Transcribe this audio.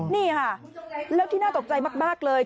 นี่ค่ะแล้วที่น่าตกใจมากเลย